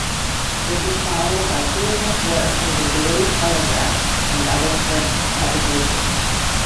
This was followed by freelance work for The Daily Telegraph and other print publications.